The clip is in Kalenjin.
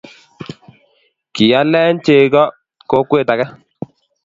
Kialen chekcho kokwet age